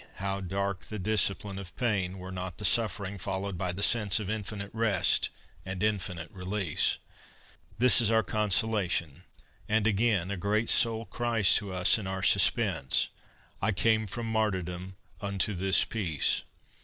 how dark the discipline of pain, Were not the suffering followed by the sense Of infinite rest and infinite release! This is our consolation; and again A great soul cries to us in our suspense, "I came from martyrdom unto this peace!"